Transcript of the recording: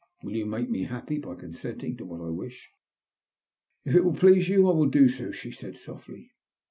"Will you make me happy by consenting to what I wish ?"" If it will please you I will do so," she said, softly.